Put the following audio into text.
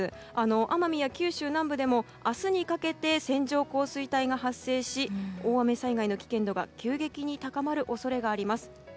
奄美や九州南部でも明日にかけて線状降水帯が発生し大雨災害の危険度が急激に高まる恐れがあります。